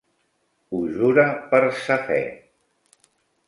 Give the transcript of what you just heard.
Ho jura per sa fe.